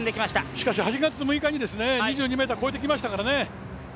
しかし、８月６日に２２ｍ越えてきましたからね。